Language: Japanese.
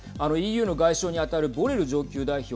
ＥＵの外相に当たるボレル上級代表